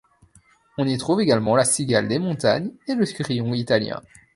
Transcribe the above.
On y trouve également la Cigale des montagnes et le Grillon italien.